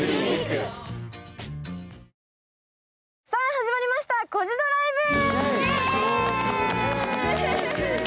始まりした、コジドライブ。